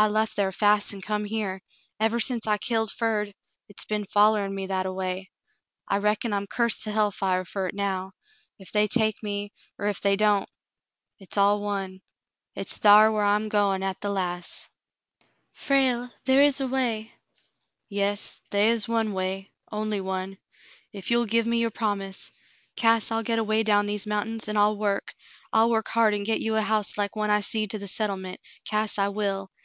"I lef thar fast an' come here. Ever sence I killed Ferd, hit's be'n follerin' me that a way. I reckon I'm cursed to hell fire fer hit now, ef they take me er ef they don't — hit's all one ; hit's thar whar I'm goin' at the las'." "Frale, there is a way —" "Yes, they is one way — only one. Ef you'll give me your promise, Cass, I'll get away down these mountains, an' I'll work ; I'll work hard an' get you a house like one I seed to the settlement, Cass, I will.